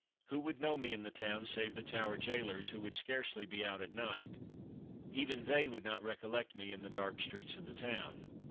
Who would know me in the town save the Tower gaolers who would scarcely be out at night; even they would not recollect me in the dark streets of the town?